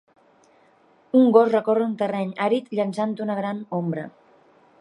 Un gos recorre un terreny àrid llançant una gran ombra